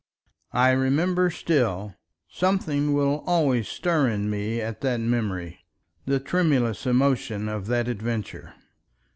I remember still—something will always stir in me at that memory—the tremulous emotion of that adventure.